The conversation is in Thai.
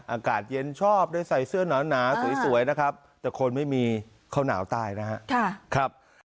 อากาศเย็นชอบได้ใส่เสื้อหนาวสวยนะครับแต่คนไม่มีข้าวหนาวตายนะครับ